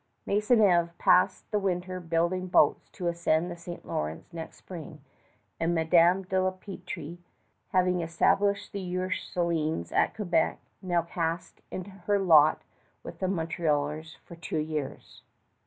Maisonneuve passed the winter building boats to ascend the St. Lawrence next spring; and Madame de la Peltrie, having established the Ursulines at Quebec, now cast in her lot with the Montrealers for two years.